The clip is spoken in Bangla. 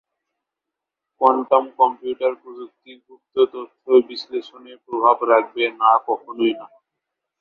কোয়ান্টাম কম্পিউটার প্রযুক্তি গুপ্ত তথ্য বিশ্লেষণে গুরুত্বপূর্ণ প্রভাব রাখবে।